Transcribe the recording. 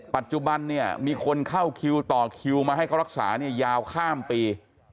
ปัจจุบันเนี่ยมีคนเข้าคิวต่อคิวมาให้เขารักษาเนี่ยยาวข้ามปี